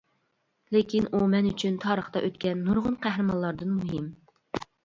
لېكىن ئۇ مەن ئۈچۈن تارىختا ئۆتكەن نۇرغۇن قەھرىمانلاردىن مۇھىم.